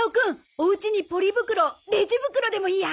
お家にポリ袋レジ袋でもいいや。